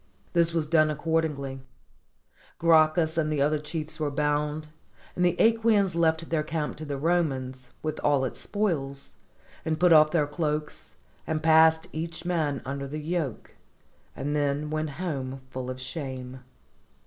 This was done accordingly; Gracchus and the other chiefs were bound, and the ^quians left their camp to the Romans, with all its spoil, and put off their cloaks, and passed each man under the yoke, and then went home full of shame.